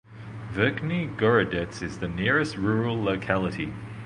Verkhny Gorodets is the nearest rural locality.